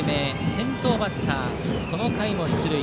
先頭バッター、この回も出塁。